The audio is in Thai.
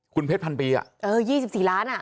คุณเพชรพันปีอ่ะเออยี่สิบสี่ล้านอ่ะ